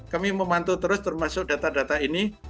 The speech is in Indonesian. kami memantau terus termasuk data data ini